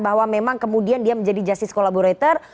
bahwa memang kemudian dia menjadi justice collaborator